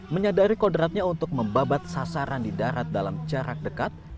menyadari kodratnya untuk membabat sasaran di darat dalam jarak dekat